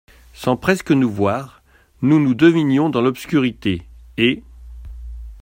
Sans presque nous voir, nous nous devinions dans l’obscurité, et…